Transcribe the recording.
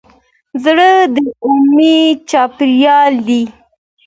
زړه د امید چاپېریال دی.